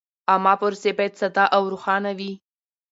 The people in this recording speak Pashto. عامه پروسې باید ساده او روښانه وي.